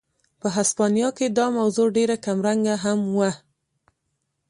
په هسپانیا کې دا موضوع ډېره کمرنګه هم وه.